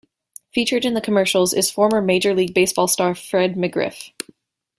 Featured in the commercials is former Major League Baseball star Fred McGriff.